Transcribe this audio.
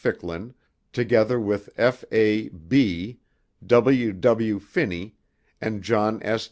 Ficklin, together with F. A. Bee, W. W. Finney, and John S.